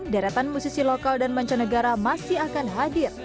deretan musisi lokal dan mancanegara masih akan hadir